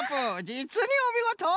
じつにおみごと！